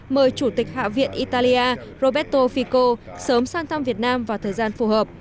mời chủ tịch hạ viện italia roberto fico sớm sang thăm việt nam vào thời gian phù hợp